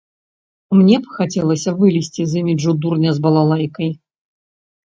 Мне б хацелася вылезці з іміджу дурня з балалайкай.